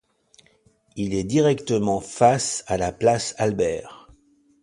Il est directement face à la Place Albert.